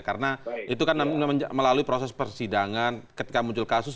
karena itu kan melalui proses persidangan ketika muncul kasus